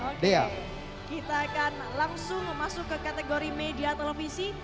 oke kita akan langsung masuk ke kategori media televisi